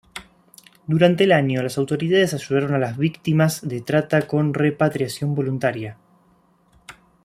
Durante el año, las autoridades ayudaron a las víctimas de trata con repatriación voluntaria.